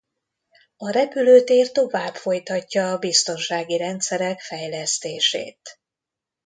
A repülőtér tovább folytatja a biztonsági rendszerek fejlesztését.